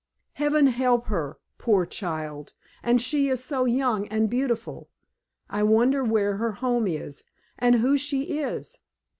Heaven help her, poor child! And she is so young and beautiful. I wonder where her home is, and who she is?"